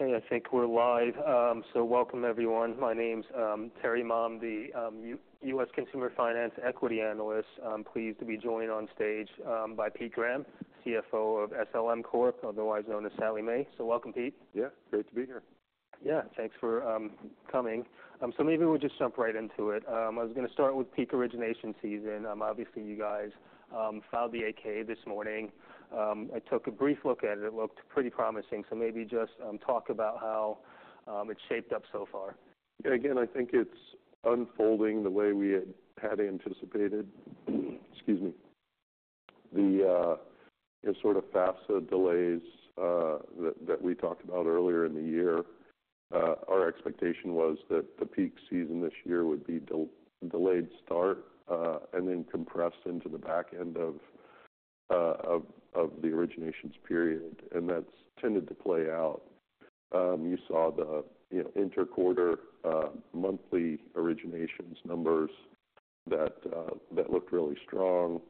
Okay, I think we're live, so welcome everyone. My name's Terry Ma, the U.S. Consumer Finance Equity Analyst. I'm pleased to be joined on stage by Pete Graham, CFO of SLM Corp, otherwise known as Sallie Mae. So welcome, Pete. Yeah, great to be here. Yeah, thanks for coming, so maybe we'll just jump right into it. I was gonna start with peak origination season. Obviously, you guys filed the 8-K this morning. I took a brief look at it. It looked pretty promising, so maybe just talk about how it shaped up so far. Yeah, again, I think it's unfolding the way we had anticipated. Excuse me. The sort of FAFSA delays that we talked about earlier in the year, our expectation was that the peak season this year would be delayed start, and then compressed into the back end of the originations period, and that's tended to play out. You saw the, you know, interquarter monthly originations numbers that looked really strong.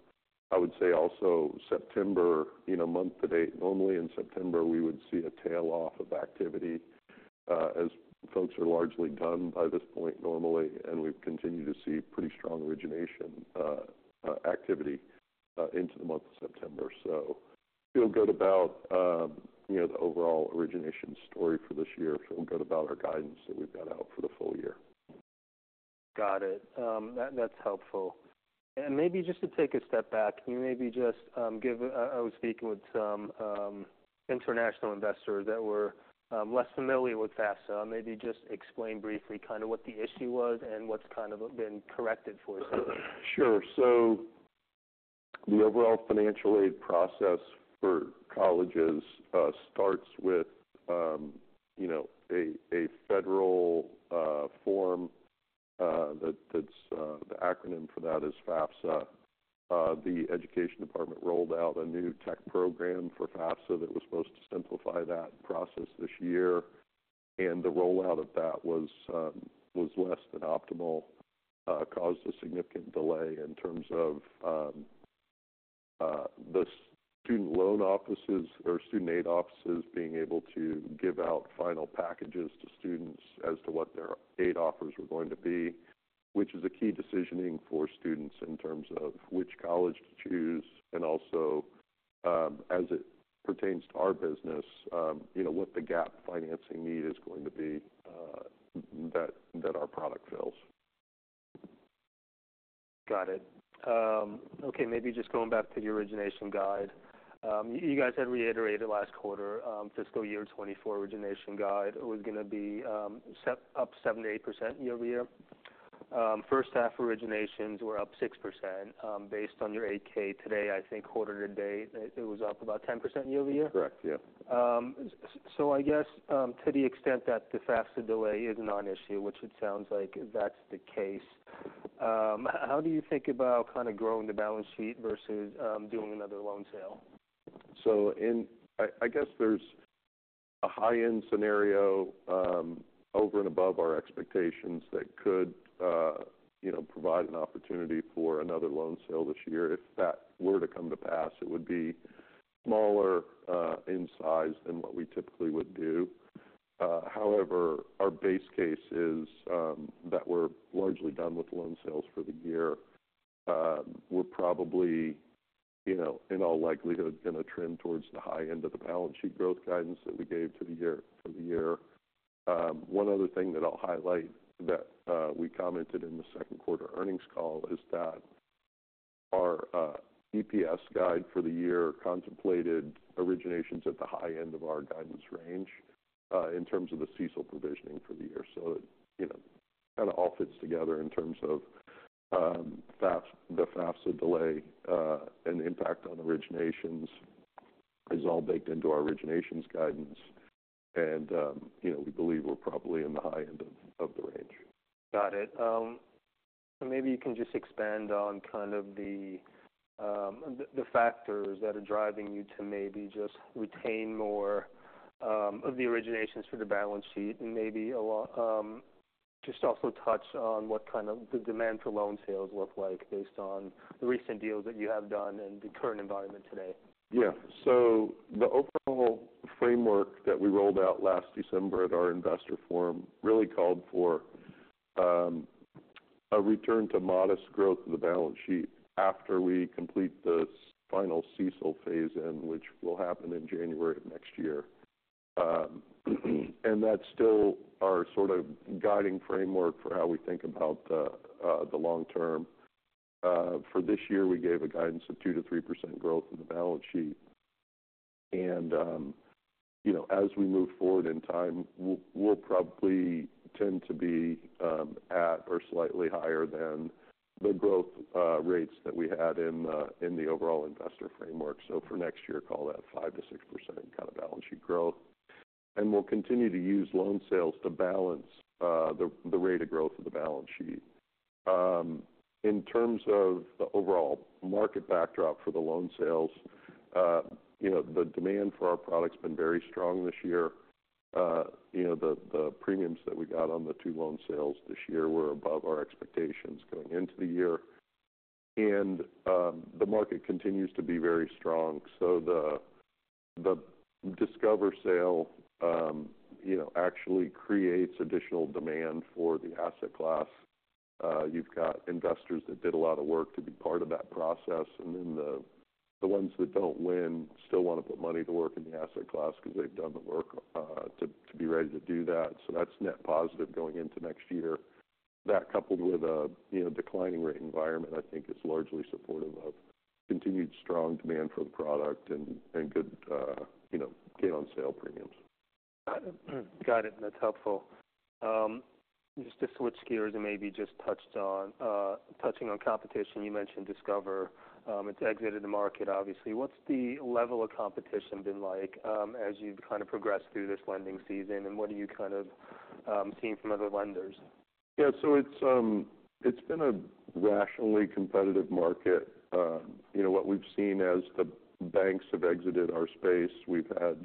I would say also September, you know, month to date. Normally in September, we would see a tail-off of activity as folks are largely done by this point normally, and we've continued to see pretty strong origination activity into the month of September. So feel good about, you know, the overall origination story for this year. Feel good about our guidance that we've got out for the full year. Got it. That, that's helpful. And maybe just to take a step back, can you maybe just give... I was speaking with some international investors that were less familiar with FAFSA. Maybe just explain briefly kind of what the issue was and what's kind of been corrected for it. Sure. So the overall financial aid process for colleges starts with, you know, a federal form. That's the acronym for that is FAFSA. The Education Department rolled out a new tech program for FAFSA that was supposed to simplify that process this year, and the rollout of that was less than optimal, caused a significant delay in terms of the student loan offices or student aid offices being able to give out final packages to students as to what their aid offers were going to be. Which is a key decisioning for students in terms of which college to choose and also, as it pertains to our business, you know, what the gap financing need is going to be, that our product fills. Got it. Okay, maybe just going back to the origination guide. You guys had reiterated last quarter, fiscal year 2024 origination guide was gonna be up 7%-8% year-over-year. First half originations were up 6%. Based on your 8-K today, I think quarter to date, it was up about 10% year-over-year? Correct, yeah. So I guess, to the extent that the FAFSA delay is a non-issue, which it sounds like that's the case, how do you think about kind of growing the balance sheet versus doing another loan sale? I guess there's a high-end scenario over and above our expectations that could you know provide an opportunity for another loan sale this year. If that were to come to pass, it would be smaller in size than what we typically would do. However, our base case is that we're largely done with loan sales for the year. We're probably you know in all likelihood gonna trend towards the high end of the balance sheet growth guidance that we gave for the year. One other thing that I'll highlight that we commented in the second quarter earnings call is that our EPS guide for the year contemplated originations at the high end of our guidance range in terms of the CECL provisioning for the year. So, you know, kind of all fits together in terms of, the FAFSA delay, and the impact on originations is all baked into our originations guidance. And, you know, we believe we're probably in the high end of the range. Got it. So maybe you can just expand on kind of the factors that are driving you to maybe just retain more of the originations for the balance sheet, and maybe just also touch on what kind of demand for loan sales look like based on the recent deals that you have done and the current environment today? Yeah. So the overall framework that we rolled out last December at our investor forum really called for a return to modest growth of the balance sheet after we complete the final CECL phase-in, which will happen in January of next year. And that's still our sort of guiding framework for how we think about the long term. For this year, we gave a guidance of 2%-3% growth in the balance sheet. And, you know, as we move forward in time, we'll probably tend to be at or slightly higher than the growth rates that we had in the overall investor framework. So for next year, call that 5%-6% kind of balance sheet growth, and we'll continue to use loan sales to balance the rate of growth of the balance sheet. In terms of the overall market backdrop for the loan sales, you know, the demand for our product's been very strong this year. You know, the premiums that we got on the two loan sales this year were above our expectations going into the year, and the market continues to be very strong. So the Discover sale, you know, actually creates additional demand for the asset class. You've got investors that did a lot of work to be part of that process, and then the ones that don't win still want to put money to work in the asset class because they've done the work to be ready to do that. So that's net positive going into next year. That, coupled with a you know declining rate environment, I think is largely supportive of continued strong demand for the product and good you know gain on sale premiums. Got it. That's helpful. Just to switch gears and maybe just touching on competition, you mentioned Discover. It's exited the market, obviously. What's the level of competition been like as you've kind of progressed through this lending season, and what are you kind of seeing from other lenders? Yeah. So it's, it's been a rationally competitive market. You know, what we've seen as the banks have exited our space, we've had,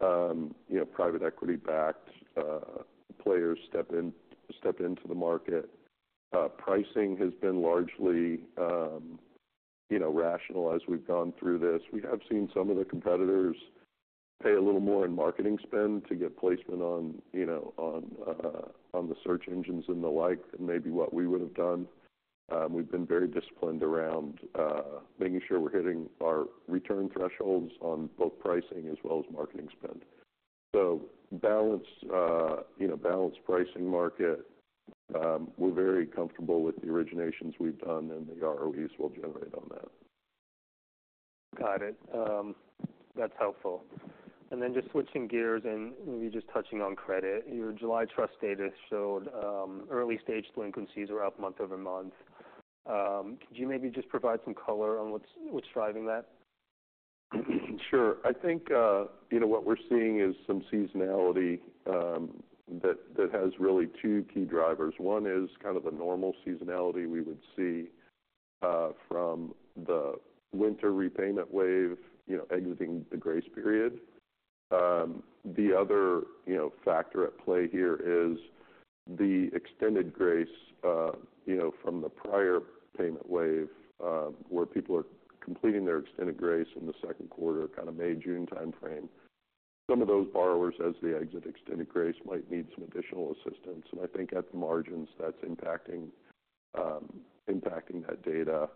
you know, private equity-backed players step into the market. Pricing has been largely, you know, rational as we've gone through this. We have seen some of the competitors pay a little more in marketing spend to get placement on, you know, on the search engines and the like, than maybe what we would have done. We've been very disciplined around making sure we're hitting our return thresholds on both pricing as well as marketing spend. So balanced, you know, balanced pricing market. We're very comfortable with the originations we've done and the ROEs we'll generate on that. Got it. That's helpful. And then just switching gears and maybe just touching on credit. Your July trust data showed early-stage delinquencies were up month over month. Could you maybe just provide some color on what's driving that? Sure. I think, you know, what we're seeing is some seasonality, that has really two key drivers. One is kind of the normal seasonality we would see, from the winter repayment wave, you know, exiting the grace period. The other, you know, factor at play here is the extended grace, you know, from the prior payment wave, where people are completing their extended grace in the second quarter, kind of May-June timeframe. Some of those borrowers, as they exit extended grace, might need some additional assistance, and I think at the margins, that's impacting that data.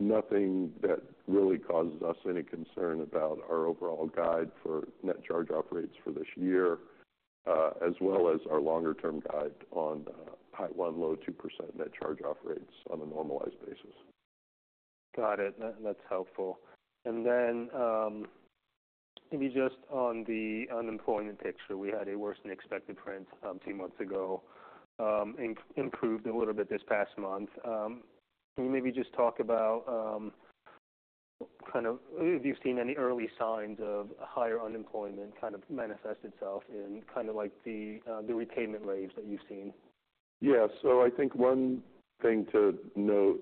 Nothing that really causes us any concern about our overall guide for net charge-off rates for this year, as well as our longer-term guide on the high 1, low 2% net charge-off rates on a normalized basis. Got it. That's helpful. And then, maybe just on the unemployment picture, we had a worse-than-expected trend a few months ago, improved a little bit this past month. Can you maybe just talk about, kind of, have you seen any early signs of higher unemployment kind of manifest itself in kind of like the, the repayment waves that you've seen? Yeah. So I think one thing to note,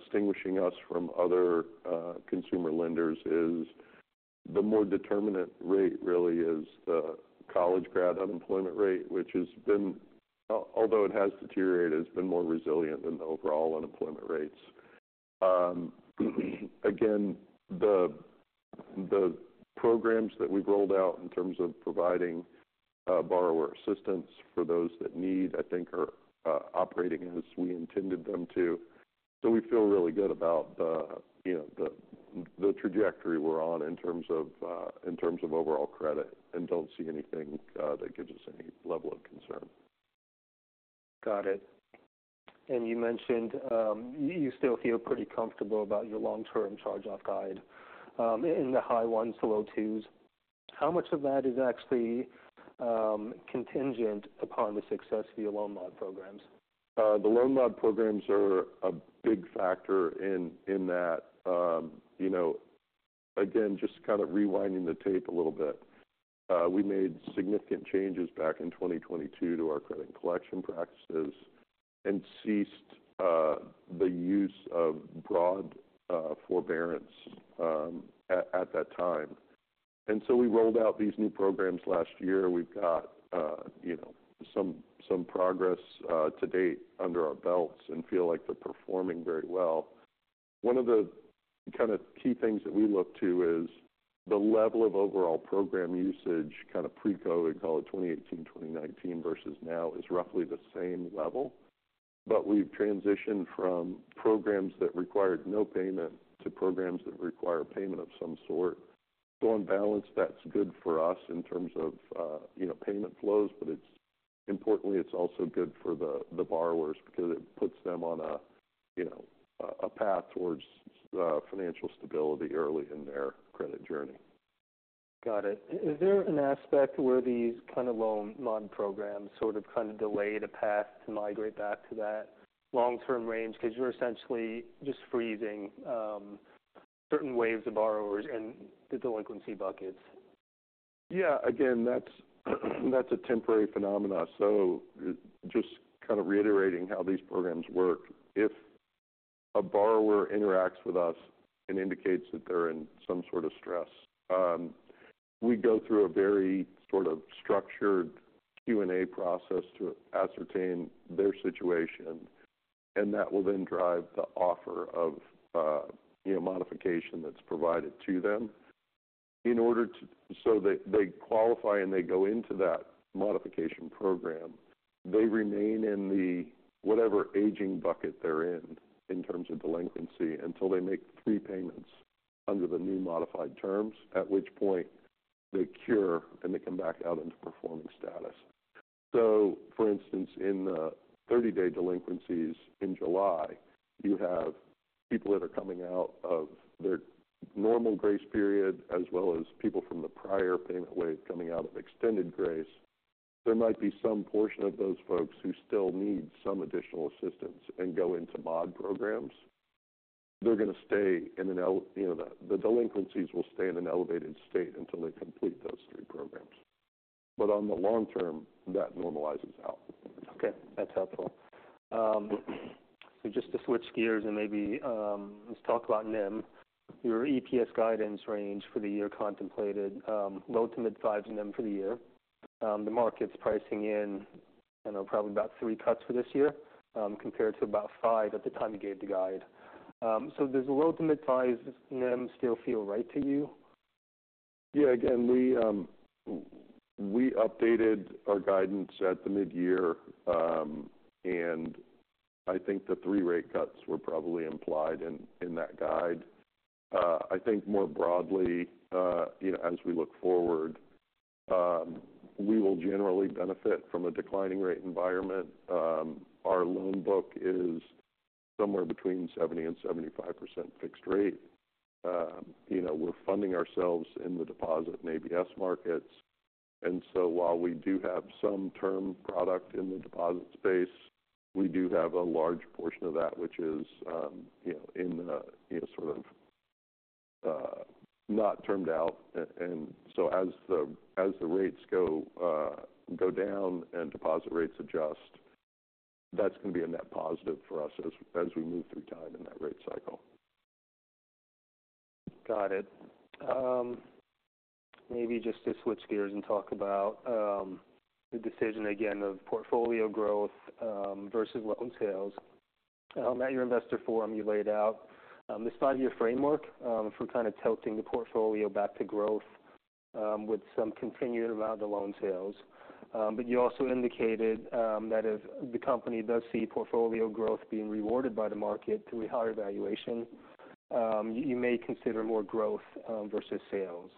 distinguishing us from other consumer lenders is the more determinant rate really is the college grad unemployment rate, which has been... Although it has deteriorated, it's been more resilient than the overall unemployment rates. Again, the programs that we've rolled out in terms of providing borrower assistance for those that need, I think are operating as we intended them to. So we feel really good about the, you know, the trajectory we're on in terms of overall credit, and don't see anything that gives us any level of concern. Got it. And you mentioned, you still feel pretty comfortable about your long-term charge-off guide, in the high ones to low twos. How much of that is actually, contingent upon the success of your loan mod programs? The loan mod programs are a big factor in that. You know, again, just kind of rewinding the tape a little bit, we made significant changes back in twenty twenty-two to our credit and collection practices and ceased the use of broad forbearance at that time, and so we rolled out these new programs last year. We've got you know some progress to date under our belts and feel like they're performing very well. One of the kind of key things that we look to is the level of overall program usage, kind of pre-COVID, call it twenty eighteen, twenty nineteen versus now, is roughly the same level, but we've transitioned from programs that required no payment to programs that require payment of some sort. So on balance, that's good for us in terms of, you know, payment flows, but it's importantly, it's also good for the borrowers because it puts them on a, you know, a path towards, financial stability early in their credit journey. Got it. Is there an aspect where these kind of loan mod programs sort of, kind of delay the path to migrate back to that long-term range? Because you're essentially just freezing certain waves of borrowers in the delinquency buckets. Yeah. Again, that's a temporary phenomenon. So just kind of reiterating how these programs work. If a borrower interacts with us and indicates that they're in some sort of stress, we go through a very sort of structured Q&A process to ascertain their situation, and that will then drive the offer of, you know, modification that's provided to them. So they qualify, and they go into that modification program. They remain in the whatever aging bucket they're in, in terms of delinquency, until they make three payments under the new modified terms, at which point they cure, and they come back out into performing status. So for instance, in the thirty-day delinquencies in July, you have people that are coming out of their normal grace period, as well as people from the prior payment wave coming out of extended grace. There might be some portion of those folks who still need some additional assistance and go into mod programs. They're going to stay in an elevated state, you know, the delinquencies will stay in an elevated state until they complete those three programs. But on the long term, that normalizes out. Okay, that's helpful. So just to switch gears and maybe, let's talk about NIM. Your EPS guidance range for the year contemplated, low to mid fives in NIM for the year. The market's pricing in, I know, probably about three cuts for this year, compared to about five at the time you gave the guide. So does the low to mid fives NIM still feel right to you? Yeah, again, we updated our guidance at the midyear. I think the three rate cuts were probably implied in that guide. I think more broadly, you know, as we look forward, we will generally benefit from a declining rate environment. Our loan book is somewhere between 70 and 75% fixed rate. You know, we're funding ourselves in the deposit and ABS markets. And so while we do have some term product in the deposit space, we do have a large portion of that, which is, you know, in the, you know, sort of, not termed out. And so as the rates go down and deposit rates adjust, that's going to be a net positive for us as we move through time in that rate cycle. Got it. Maybe just to switch gears and talk about the decision again of portfolio growth versus loan sales. At your investor forum, you laid out this five-year framework for kind of tilting the portfolio back to growth, with some continued amount of loan sales, but you also indicated that if the company does see portfolio growth being rewarded by the market through a higher valuation, you may consider more growth versus sales,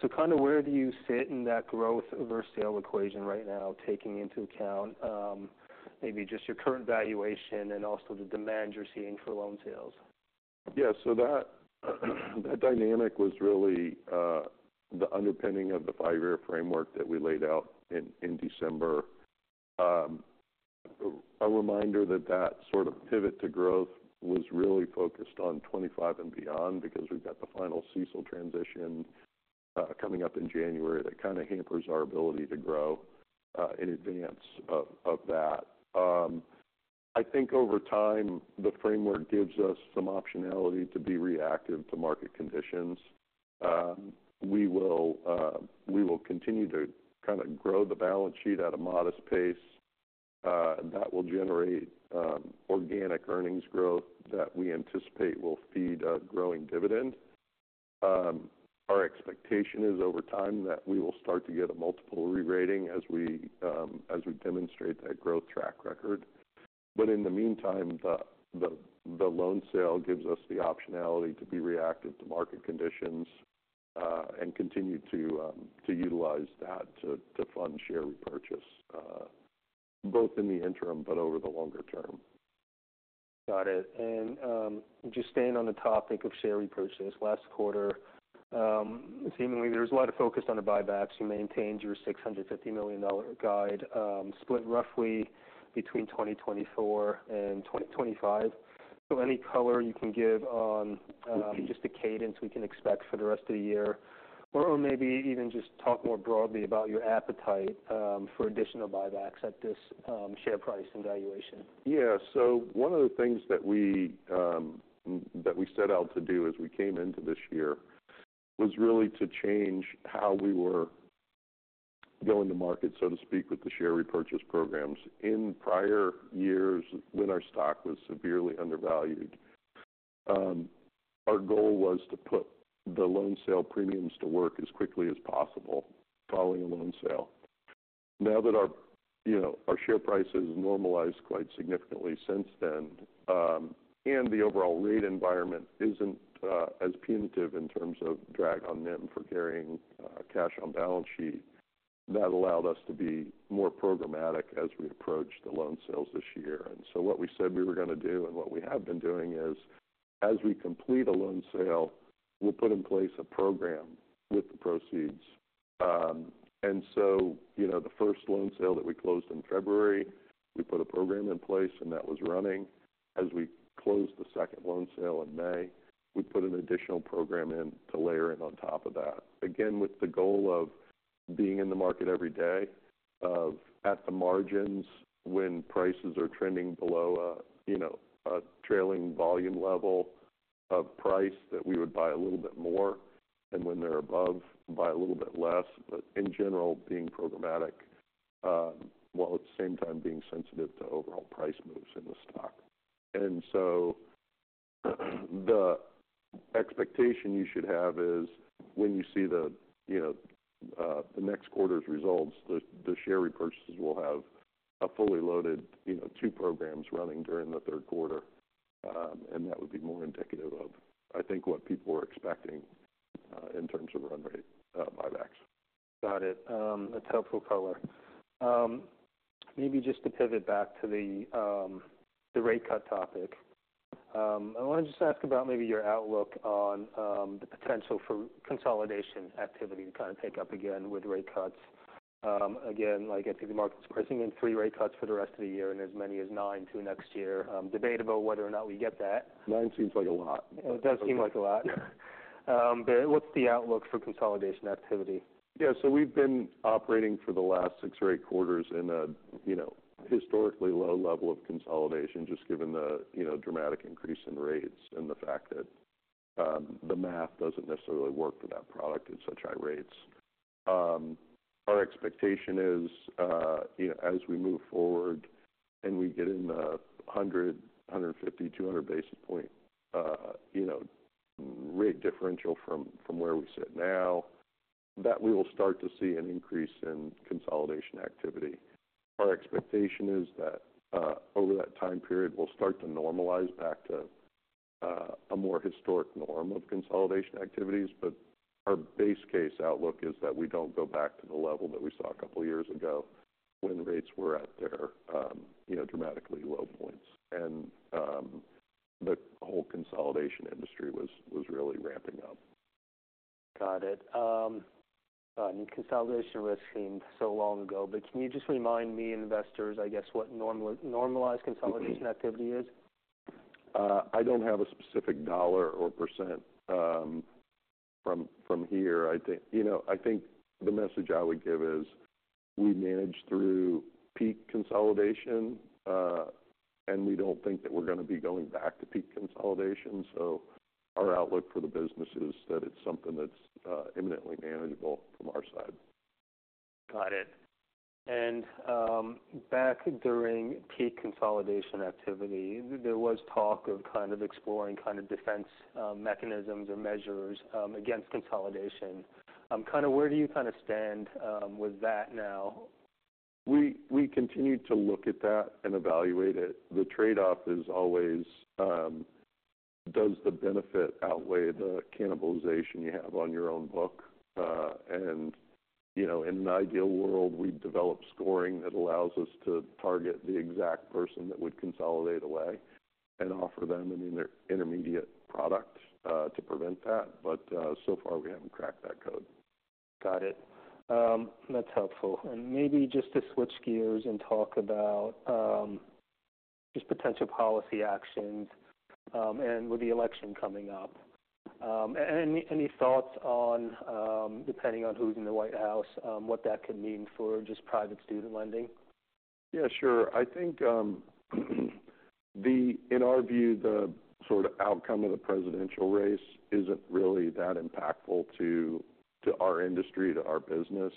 so kind of where do you sit in that growth versus sale equation right now, taking into account, maybe just your current valuation and also the demand you're seeing for loan sales? Yeah. So that dynamic was really the underpinning of the five-year framework that we laid out in December. A reminder that that sort of pivot to growth was really focused on twenty-five and beyond, because we've got the final CECL transition coming up in January. That kind of hampers our ability to grow in advance of that. I think over time, the framework gives us some optionality to be reactive to market conditions. We will continue to kind of grow the balance sheet at a modest pace that will generate organic earnings growth that we anticipate will feed a growing dividend. Our expectation is, over time, that we will start to get a multiple re-rating as we demonstrate that growth track record. But in the meantime, the loan sale gives us the optionality to be reactive to market conditions, and continue to utilize that to fund share repurchase, both in the interim but over the longer term. Got it. And, just staying on the topic of share repurchase. Last quarter, seemingly there was a lot of focus on the buybacks. You maintained your $650 million guide, split roughly between 2024 and 2025. So any color you can give on, just the cadence we can expect for the rest of the year? Or maybe even just talk more broadly about your appetite, for additional buybacks at this share price and valuation. Yeah. So one of the things that we set out to do as we came into this year, was really to change how we were going to market, so to speak, with the share repurchase programs. In prior years, when our stock was severely undervalued, our goal was to put the loan sale premiums to work as quickly as possible following a loan sale. Now that our, you know, our share price has normalized quite significantly since then, and the overall rate environment isn't as punitive in terms of drag on NIM for carrying cash on balance sheet, that allowed us to be more programmatic as we approached the loan sales this year. And so what we said we were going to do, and what we have been doing, is as we complete a loan sale, we'll put in place a program with the proceeds. You know, the first loan sale that we closed in February, we put a program in place, and that was running. As we closed the second loan sale in May, we put an additional program in to layer in on top of that. Again, with the goal of being in the market every day, of at the margins, when prices are trending below, you know, a trailing volume level of price, that we would buy a little bit more, and when they're above, buy a little bit less. But in general, being programmatic, while at the same time being sensitive to overall price moves in the stock. And so, the expectation you should have is when you see the, you know, the next quarter's results, the share repurchases will have a fully loaded, you know, two programs running during the third quarter. And that would be more indicative of, I think, what people were expecting, in terms of run rate, buybacks. Got it. That's helpful color. Maybe just to pivot back to the rate cut topic. I want to just ask about maybe your outlook on the potential for consolidation activity to kind of take up again with rate cuts. Again, like, I think the market's pricing in three rate cuts for the rest of the year, and as many as nine to next year. Debatable whether or not we get that. Nine seems like a lot. It does seem like a lot. Yeah. But what's the outlook for consolidation activity? Yeah, so we've been operating for the last six or eight quarters in a, you know, historically low level of consolidation, just given the, you know, dramatic increase in rates and the fact that, the math doesn't necessarily work for that product at such high rates. Our expectation is, you know, as we move forward and we get in the 100, 150, 200 basis point, you know, rate differential from where we sit now, that we will start to see an increase in consolidation activity. Our expectation is that, over that time period, we'll start to normalize back to, a more historic norm of consolidation activities. But our base case outlook is that we don't go back to the level that we saw a couple of years ago when rates were at their, you know, dramatically low points, and the whole consolidation industry was really ramping up. Got it. Consolidation risks seemed so long ago, but can you just remind me and investors, I guess, what normal, normalized consolidation activity is? I don't have a specific dollar or percent from here. I think, you know, I think the message I would give is, we managed through peak consolidation and we don't think that we're gonna be going back to peak consolidation. So our outlook for the business is that it's something that's imminently manageable from our side. Got it. And back during peak consolidation activity, there was talk of kind of exploring kind of defense mechanisms or measures against consolidation. Kind of where do you kind of stand with that now? We continue to look at that and evaluate it. The trade-off is always, does the benefit outweigh the cannibalization you have on your own book? And, you know, in an ideal world, we'd develop scoring that allows us to target the exact person that would consolidate away and offer them an intermediate product to prevent that. But, so far, we haven't cracked that code. Got it. That's helpful. And maybe just to switch gears and talk about just potential policy actions, and with the election coming up. Any thoughts on, depending on who's in the White House, what that could mean for just private student lending? Yeah, sure. I think, in our view, the sort of outcome of the presidential race isn't really that impactful to our industry, to our business.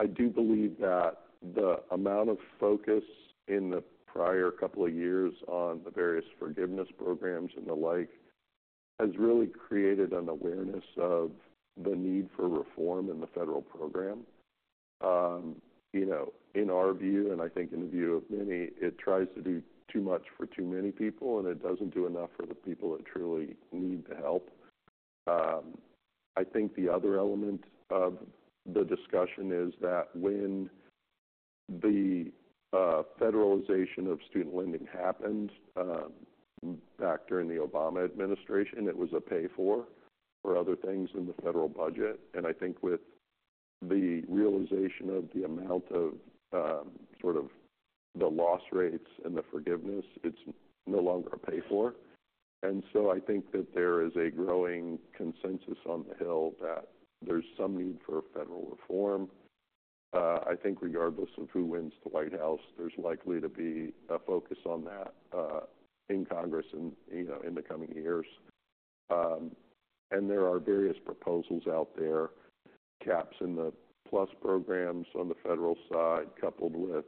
I do believe that the amount of focus in the prior couple of years on the various forgiveness programs and the like has really created an awareness of the need for reform in the federal program. You know, in our view, and I think in the view of many, it tries to do too much for too many people, and it doesn't do enough for the people that truly need the help. I think the other element of the discussion is that when federalization of student lending happened back during the Obama administration, it was a pay for other things in the federal budget. I think with the realization of the amount of sort of the loss rates and the forgiveness, it's no longer a payoff. So I think that there is a growing consensus on the Hill that there's some need for a federal reform. I think regardless of who wins the White House, there's likely to be a focus on that in Congress and, you know, in the coming years. And there are various proposals out there, caps in the PLUS programs on the federal side, coupled with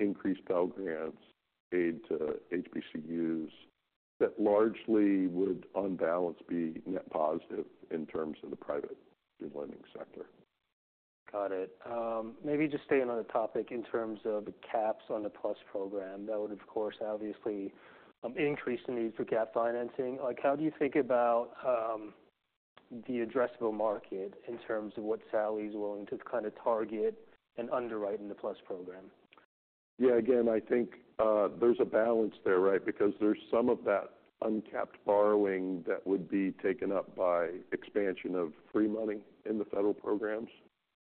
increased Pell Grants, aid to HBCUs, that largely would, on balance, be net positive in terms of the private student lending sector. Got it. Maybe just staying on the topic in terms of the caps on the PLUS program, that would, of course, obviously, increase the need for gap financing. Like, how do you think about the addressable market in terms of what Sallie is willing to kind of target and underwrite in the PLUS program? Yeah, again, I think there's a balance there, right? Because there's some of that uncapped borrowing that would be taken up by expansion of free money in the federal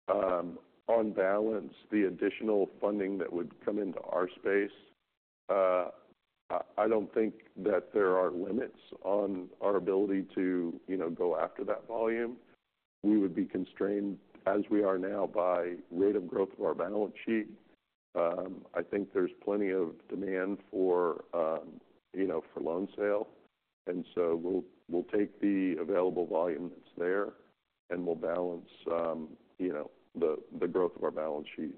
program. On balance, the additional funding that would come into our space. I don't think that there are limits on our ability to, you know, go after that volume. We would be constrained, as we are now, by rate of growth of our balance sheet. I think there's plenty of demand for, you know, for loan sale, and so we'll take the available volume that's there, and we'll balance, you know, the growth of our balance sheet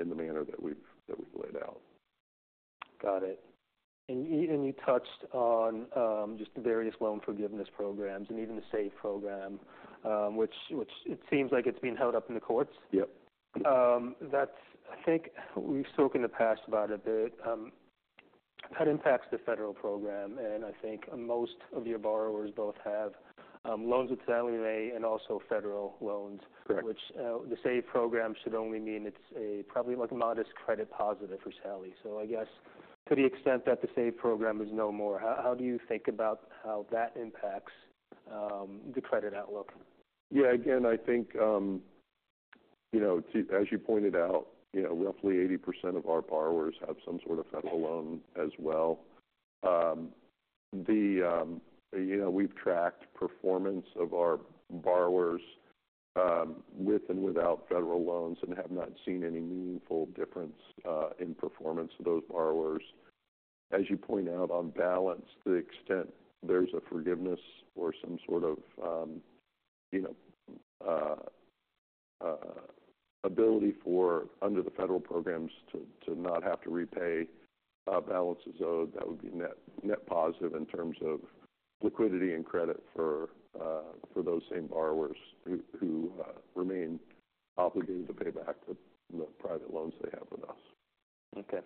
in the manner that we've laid out. Got it. And you touched on just the various loan forgiveness programs and even the SAVE program, which it seems like it's been held up in the courts. Yep. I think we've spoken in the past about it a bit. That impacts the federal program, and I think most of your borrowers both have loans with Sallie Mae and also federal loans. Correct. Which, the SAVE program should only mean it's a probably like a modest credit positive for Sallie, so I guess to the extent that the SAVE program is no more, how do you think about how that impacts the credit outlook? Yeah. Again, I think, you know, as you pointed out, you know, roughly 80% of our borrowers have some sort of federal loan as well. You know, we've tracked performance of our borrowers with and without federal loans and have not seen any meaningful difference in performance of those borrowers. As you point out, on balance, to the extent there's a forgiveness or some sort of ability for, under the federal programs, to not have to repay balances owed, that would be net positive in terms of liquidity and credit for those same borrowers who remain obligated to pay back the private loans they have with us. Okay.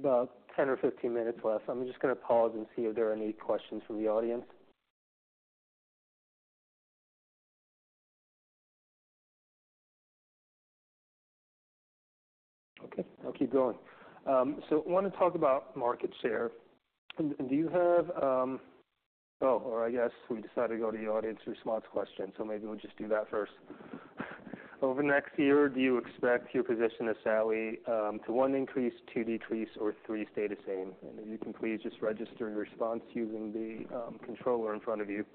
About ten or fifteen minutes left. I'm just gonna pause and see if there are any questions from the audience. Okay, I'll keep going. So I wanna talk about market share. Do you have... Oh, or I guess we decided to go to the audience response question, so maybe we'll just do that first. Over the next year, do you expect your position at Sallie to, one, increase, two, decrease, or, three, stay the same? And if you can please just register your response using the controller in front of you.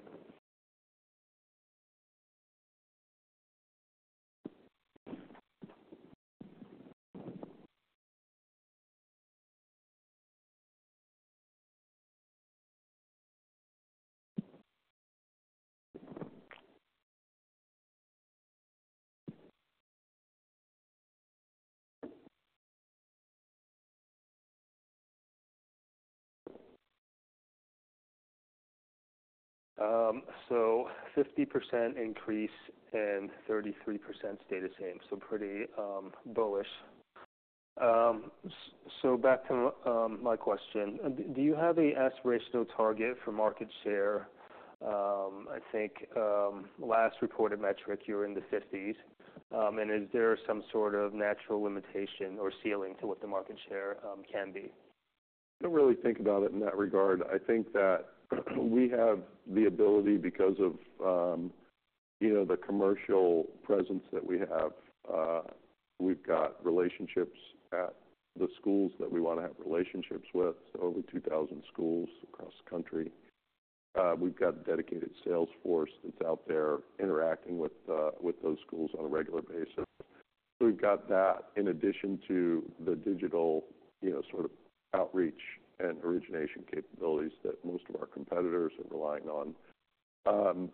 So 50% increase and 33% stay the same, so pretty bullish. So back to my question. Do you have an aspirational target for market share? I think last reported metric, you were in the fifties. And is there some sort of natural limitation or ceiling to what the market share can be? I don't really think about it in that regard. I think that we have the ability because of, you know, the commercial presence that we have. We've got relationships at the schools that we wanna have relationships with, so over 2,000 schools across the country. We've got a dedicated sales force that's out there interacting with, with those schools on a regular basis. We've got that in addition to the digital, you know, sort of outreach and origination capabilities that most of our competitors are relying on.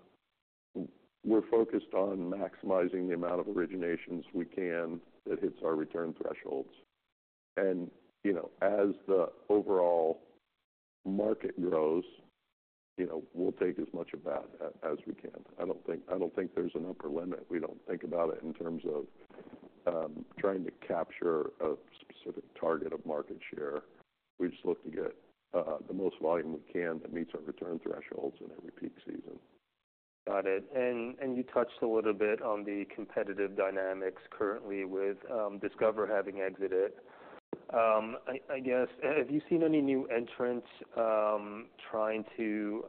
We're focused on maximizing the amount of originations we can, that hits our return thresholds. And, you know, as the overall market grows, you know, we'll take as much of that as we can. I don't think, I don't think there's an upper limit. We don't think about it in terms of trying to capture a specific target of market share. We just look to get the most volume we can that meets our return thresholds in every peak season. Got it. And you touched a little bit on the competitive dynamics currently with Discover having exited. I guess, have you seen any new entrants trying to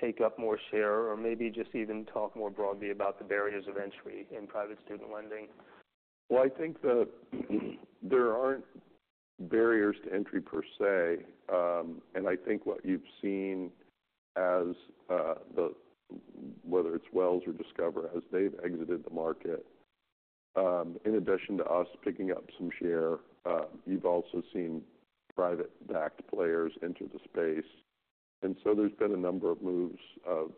take up more share? Or maybe just even talk more broadly about the barriers of entry in private student lending. I think that there aren't barriers to entry per se. I think what you've seen as the whether it's Wells or Discover, as they've exited the market, in addition to us picking up some share, you've also seen private-backed players enter the space. So there's been a number of moves of,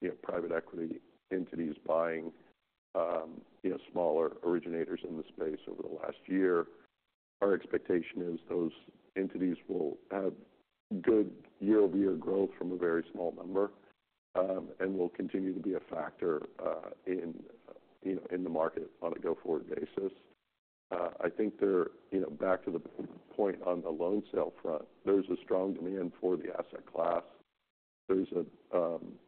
you know, private equity entities buying, you know, smaller originators in the space over the last year. Our expectation is those entities will have good year-over-year growth from a very small number, and will continue to be a factor, you know, in the market on a go-forward basis. I think they're, you know, back to the point on the loan sale front, there's a strong demand for the asset class. There's a,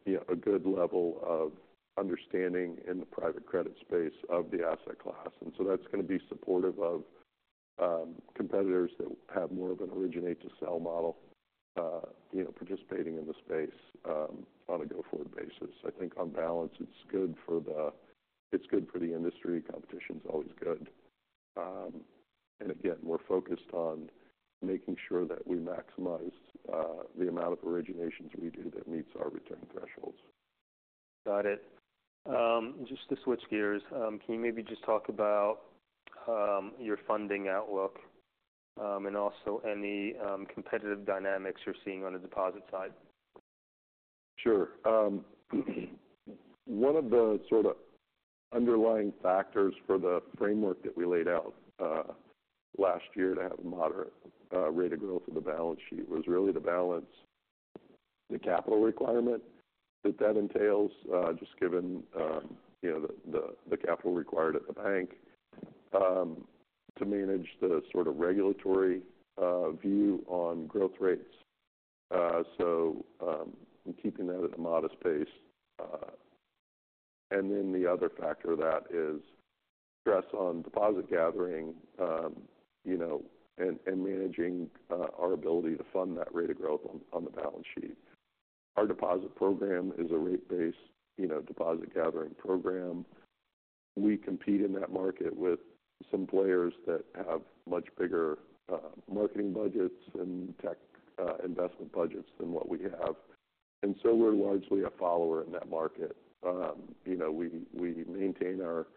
you know, a good level of understanding in the private credit space of the asset class, and so that's gonna be supportive of competitors that have more of an originate-to-sell model, you know, participating in the space, on a go-forward basis. I think on balance, it's good for the, it's good for the industry. Competition's always good. And again, we're focused on making sure that we maximize the amount of originations we do that meets our return thresholds. Got it. Just to switch gears, can you maybe just talk about your funding outlook, and also any competitive dynamics you're seeing on the deposit side? Sure. One of the sort of underlying factors for the framework that we laid out last year to have a moderate rate of growth of the balance sheet was really to balance the capital requirement that that entails just given you know the capital required at the bank. To manage the sort of regulatory view on growth rates. So and keeping that at a modest pace. And then the other factor that is stress on deposit gathering you know and managing our ability to fund that rate of growth on the balance sheet. Our deposit program is a rate-based you know deposit gathering program. We compete in that market with some players that have much bigger marketing budgets and tech investment budgets than what we have. And so we're largely a follower in that market. You know, we maintain our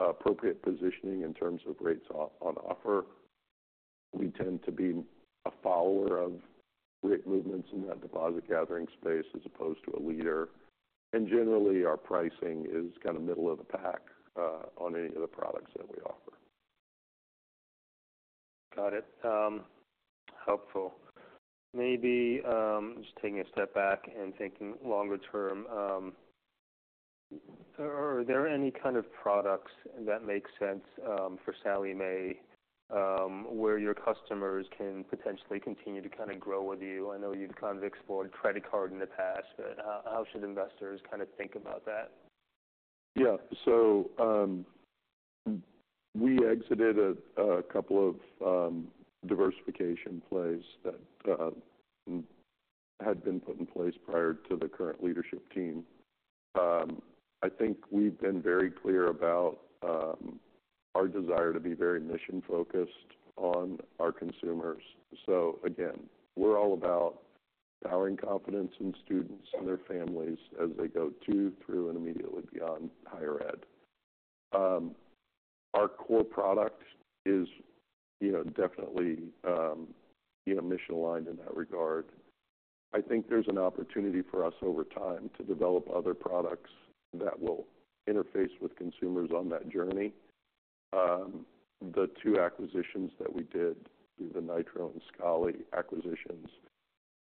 appropriate positioning in terms of rates on offer. We tend to be a follower of rate movements in that deposit gathering space, as opposed to a leader. And generally, our pricing is kind of middle of the pack on any of the products that we offer. Got it. Helpful. Maybe, just taking a step back and thinking longer term, are there any kind of products that make sense for Sallie Mae, where your customers can potentially continue to kind of grow with you? I know you'd kind of explored credit card in the past, but how should investors kind of think about that? Yeah. So, we exited a couple of diversification plays that had been put in place prior to the current leadership team. I think we've been very clear about our desire to be very mission-focused on our consumers. So again, we're all about empowering confidence in students and their families as they go to, through, and immediately beyond higher ed. Our core product is, you know, definitely, you know, mission-aligned in that regard. I think there's an opportunity for us over time to develop other products that will interface with consumers on that journey. The two acquisitions that we did, the Nitro and Scholly acquisitions,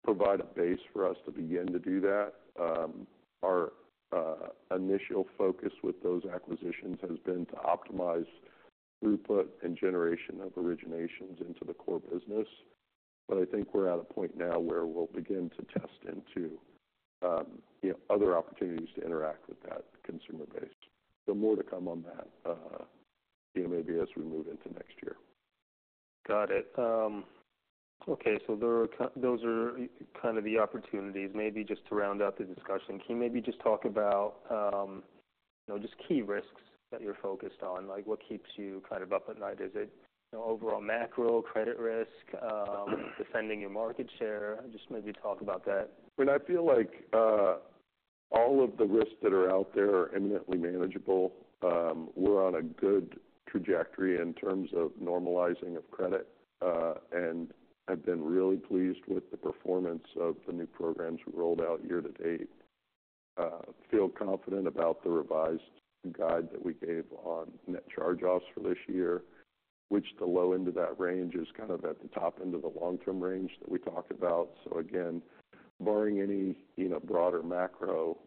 provide a base for us to begin to do that. Our initial focus with those acquisitions has been to optimize throughput and generation of originations into the core business. But I think we're at a point now where we'll begin to test into, you know, other opportunities to interact with that consumer base. So more to come on that, you know, maybe as we move into next year. Got it. Okay, so those are kind of the opportunities. Maybe just to round out the discussion, can you maybe just talk about, you know, just key risks that you're focused on? Like, what keeps you kind of up at night? Is it, you know, overall macro, credit risk, defending your market share? Just maybe talk about that. I feel like all of the risks that are out there are eminently manageable. We're on a good trajectory in terms of normalizing of credit, and I've been really pleased with the performance of the new programs we rolled out year to date. Feel confident about the revised guide that we gave on net charge-offs for this year, which the low end of that range is kind of at the top end of the long-term range that we talked about. So again, barring any, you know, broader macro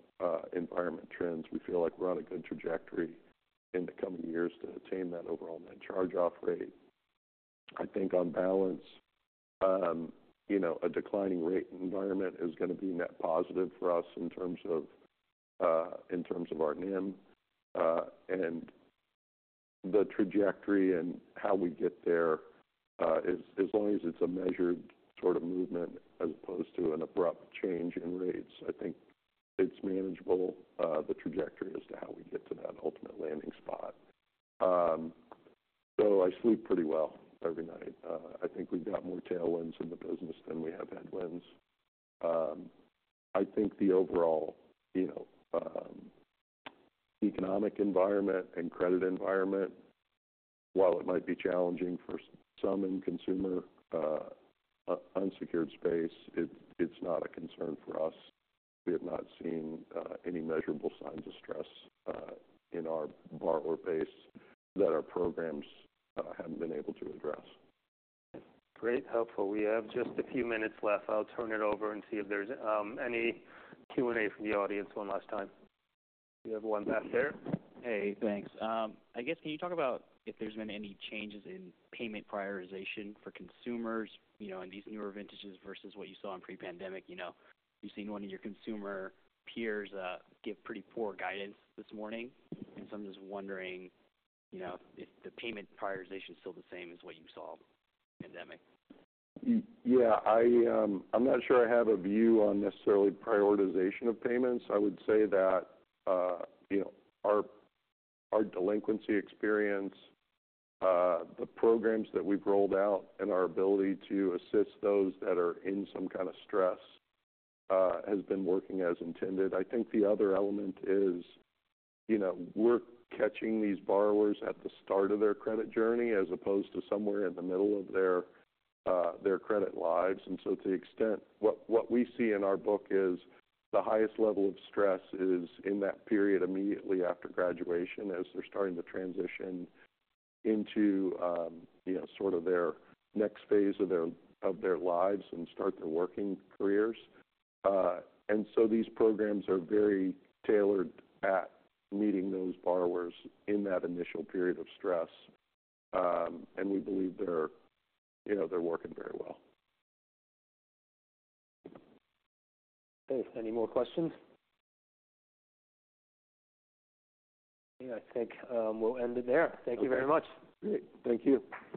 environment trends, we feel like we're on a good trajectory in the coming years to attain that overall net charge-off rate. I think on balance, you know, a declining rate environment is going to be net positive for us in terms of, in terms of our NIM. And the trajectory and how we get there, as long as it's a measured sort of movement as opposed to an abrupt change in rates, I think it's manageable, the trajectory as to how we get to that ultimate landing spot. So I sleep pretty well every night. I think we've got more tailwinds in the business than we have headwinds. I think the overall, you know, economic environment and credit environment, while it might be challenging for some in consumer unsecured space, it's not a concern for us. We have not seen any measurable signs of stress in our borrower base that our programs haven't been able to address. Great, helpful. We have just a few minutes left. I'll turn it over and see if there's any Q&A from the audience one last time. We have one back there. Hey, thanks. I guess, can you talk about if there's been any changes in payment prioritization for consumers, you know, in these newer vintages versus what you saw in pre-pandemic? You know, we've seen one of your consumer peers, give pretty poor guidance this morning, and so I'm just wondering, you know, if the payment prioritization is still the same as what you saw in the pandemic. Yeah, I’m not sure I have a view on necessarily prioritization of payments. I would say that, you know, our delinquency experience, the programs that we’ve rolled out, and our ability to assist those that are in some kind of stress, has been working as intended. I think the other element is, you know, we’re catching these borrowers at the start of their credit journey, as opposed to somewhere in the middle of their credit lives. And so, what we see in our book is the highest level of stress is in that period immediately after graduation, as they’re starting to transition into, you know, sort of their next phase of their lives and start their working careers. And so these programs are very tailored at meeting those borrowers in that initial period of stress. And we believe they're, you know, they're working very well. Okay. Any more questions? I think we'll end it there. Okay. Thank you very much. Great. Thank you.